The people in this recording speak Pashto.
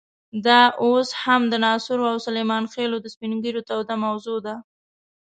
دا اوس هم د ناصرو او سلیمان خېلو د سپین ږیرو توده موضوع ده.